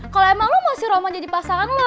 kalo emang lo mau si roman jadi pasangan lo